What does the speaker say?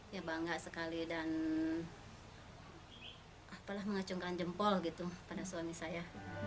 ya bangga sekali dan mengacungkan jempol gitu pada suami saya